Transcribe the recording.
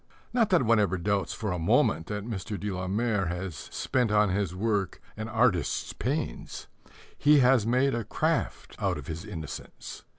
Not that one ever doubts for a moment that Mr. de la Mare has spent on his work an artist's pains. He has made a craft out of his innocence.